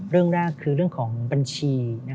เรื่องแรกคือเรื่องของบัญชี